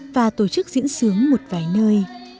và tổ chức diễn xướng một vài nơi